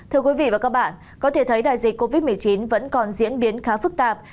thưa quý vị và các bạn có thể thấy đại dịch covid một mươi chín vẫn còn diễn biến khá phức tạp